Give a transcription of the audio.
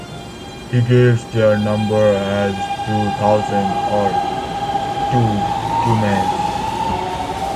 He gives their number as two thousand (or two tumens).